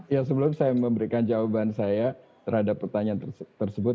ya sebelum saya memberikan jawaban saya terhadap pertanyaan tersebut